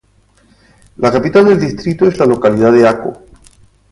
La capital del distrito es la localidad de Aco.